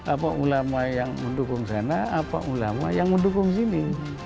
apa ulama yang mendukung sana apa ulama yang mendukung sini